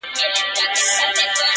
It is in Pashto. اصلي پوښتني ته بشپړ جواب نه مومي